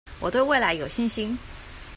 我對未來有信心